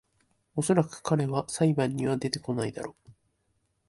おそらく彼は裁判には出てこないだろ